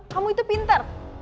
kamu itu pinter